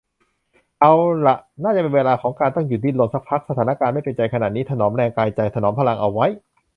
เอาล่ะ น่าจะเป็นเวลาของการต้องหยุดดิ้นรนสักพัก สถานการณ์ไม่เป็นใจขณะนี้ ถนอมแรงกายใจ ถนอมพลังเอาไว้